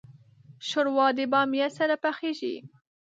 ښوروا د بامیا سره پخیږي.